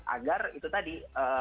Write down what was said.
agar itu tadi